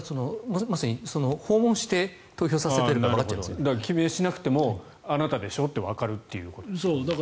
まさに訪問して投票させているので記名しなくてもあなたでしょってわかると。